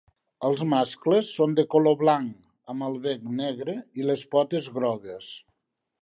Els mascles són de color blanc, amb el bec negre i les potes grogues.